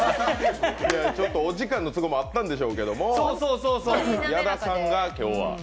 お時間の都合もあったんでしょうけど、矢田さんが今日は。